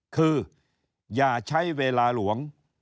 คืออย่าใช้เวลาหลวง